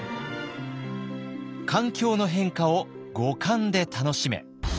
「環境の変化を五感で楽しめ！」。